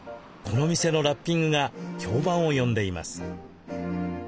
この店のラッピングが評判を呼んでいます。